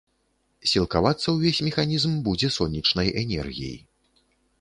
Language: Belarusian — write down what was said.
Сілкавацца ўвесь механізм будзе сонечнай энергій.